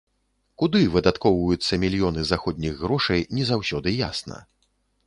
Куды выдаткоўваюцца мільёны заходніх грошай, не заўсёды ясна.